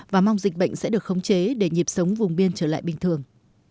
và mong dịch bệnh sẽ được khống chế để nhịp sống vùng biên trở lại bình thường